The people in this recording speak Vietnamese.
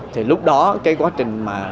thì lúc đó cái quá trình mà